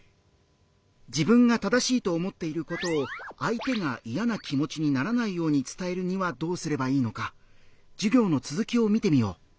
自分が正しいと思っていることを相手が嫌な気持ちにならないように伝えるにはどうすればいいのか授業の続きを見てみよう。